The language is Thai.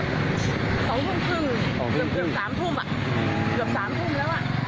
สองทุ่มครึ่งสองทุ่มครึ่งเกือบสามทุ่มอ่ะเกือบสามทุ่มแล้วอ่ะ